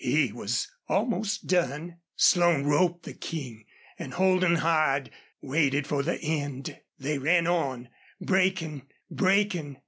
He was almost done. Slone roped the King, and holding hard, waited for the end. They ran on, breaking, breaking.